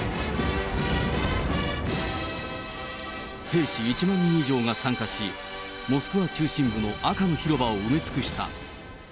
兵士１万人以上が参加し、モスクワ中心部の赤の広場を埋め尽くした。